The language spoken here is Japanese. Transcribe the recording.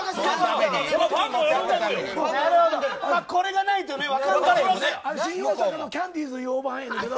これがないとね、分かんない。